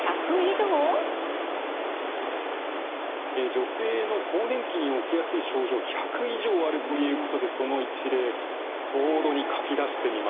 女性の更年期に起きやすい症状１００以上あるということでその一例ボードに書き出してみました。